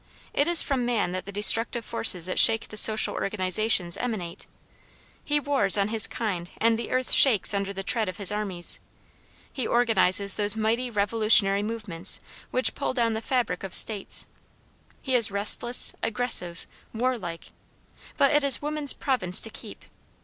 It is from man that the destructive forces that shake the social organization emanate. He wars on his kind and the earth shakes under the tread of his armies. He organizes those mighty revolutionary movements which pull down the fabric of states. He is restless, aggressive, warlike. But it is woman's province to keep.